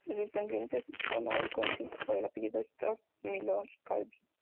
Sus descendientes son hoy conocidos por el apellido Tolstói-Miloslavski.